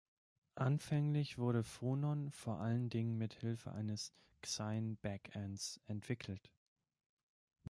Anfänglich wurde Phonon vor allen Dingen mit Hilfe eines Xine-Back-Ends entwickelt.